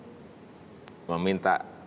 tidak boleh siapapun meminta data pajak ini